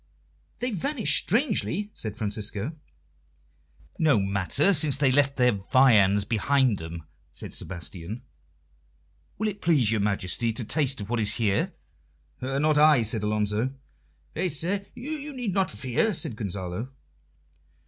"They vanished strangely," said Francisco. "No matter, since they left their viands behind them," said Sebastian. "Will it please your Majesty to taste of what is here?" "Not I," said Alonso. "Faith, sir, you need not fear," said Gonzalo.